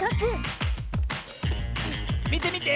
みてみて！